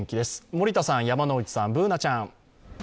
森田さん、山内さん、Ｂｏｏｎａちゃん。